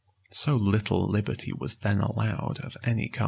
So little liberty was then allowed of any kind!